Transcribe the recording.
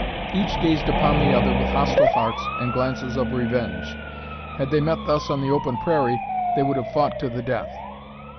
Each gazed upon the other with hostile hearts and glances of revenge. Had they met thus on the open prairie they would have fought to the death.